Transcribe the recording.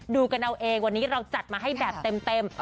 ดูกันเอาเองวันนี้เราจัดมาให้แบบเต็ม